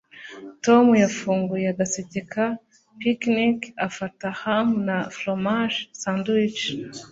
tom yafunguye agaseke ka picnic afata ham na foromaje sandwich